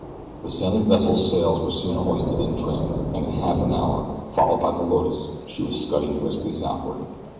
The sailing vessel's sails were soon hoisted and trimmed, and in half an hour, followed by the Lotus, she was scudding briskly southward.